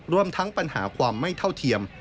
รวมทั้งปัญหาความไม่เท่าเทียม